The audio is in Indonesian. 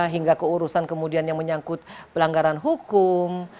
hingga keurusan kemudian yang menyangkut pelanggaran hukum